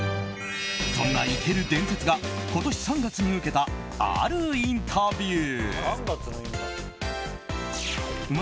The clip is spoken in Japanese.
そんな生ける伝説が今年３月に受けたあるインタビュー。